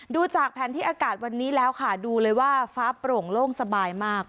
ดูจากแผนที่อากาศวันนี้แล้วค่ะดูเลยว่าฟ้าโปร่งโล่งสบายมาก